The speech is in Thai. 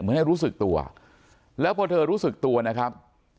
ให้รู้สึกตัวแล้วพอเธอรู้สึกตัวนะครับ